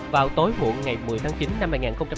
vào tối muộn ngày một mươi tháng chín năm hai nghìn một mươi bốn